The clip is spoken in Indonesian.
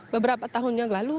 beberapa tahun yang lalu